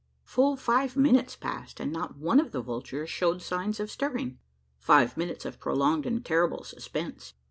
Full five minutes passed, and not one of the vultures showed signs of stirring five minutes of prolonged and terrible suspense.